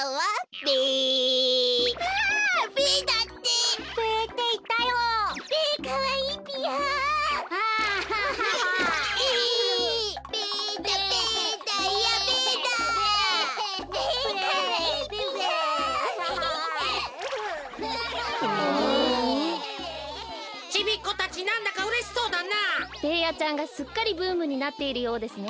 ベーヤちゃんがすっかりブームになっているようですね。